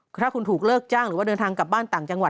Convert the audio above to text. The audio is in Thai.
ถ้าคุณถูกเลิกจ้างหรือว่าเดินทางกลับบ้านต่างจังหวัด